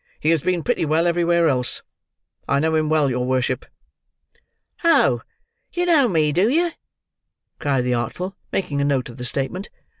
"He has been pretty well everywhere else. I know him well, your worship." "Oh! you know me, do you?" cried the Artful, making a note of the statement.